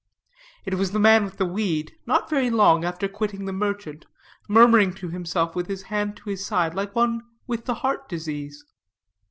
It was the man with the weed, not very long after quitting the merchant, murmuring to himself with his hand to his side like one with the heart disease.